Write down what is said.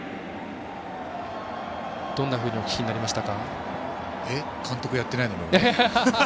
どんなふうにお聞きになりました。